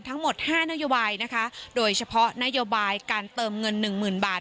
ทั้งหมด๕นโยบายนะคะโดยเฉพาะนโยบายการเติมเงินหนึ่งหมื่นบาท